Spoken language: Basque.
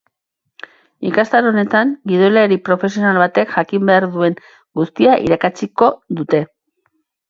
Ikastaro honetan, gidoilari profesional batek jakin behar duen guztia irakatsiko dute.